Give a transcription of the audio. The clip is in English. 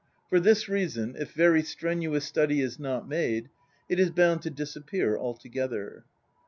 For this reason, if very stren uous study is not made, it is bound to disappear altogether.